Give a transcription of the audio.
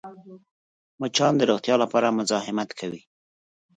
مچان د روغتیا لپاره مزاحمت کوي